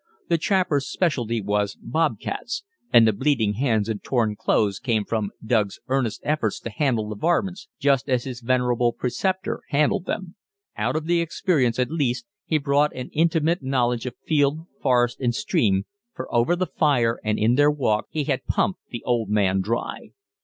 The trapper's specialty was "bob cats," and the bleeding hands and torn clothes came from "Doug's" earnest efforts to handle the "varmints" just as his venerable preceptor handled them. Out of the experience, at least, he brought an intimate knowledge of field, forest, and stream, for over the fire and in their walks he had pumped the old man dry.